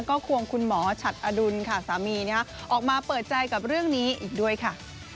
ก็ควงคุณหมอฉัดอดุลค่ะสามีออกมาเปิดใจกับเรื่องนี้อีกด้วยค่ะ